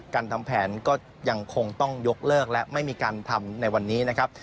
ทำแผนก็ยังคงต้องยกเลิกและไม่มีการทำในวันนี้นะครับ